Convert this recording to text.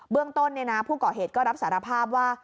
เรื่องต้นผู้ก่อเหตุก็รับสารภาพว่า